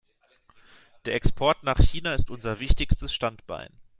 Der Export nach China ist unser wichtigstes Standbein.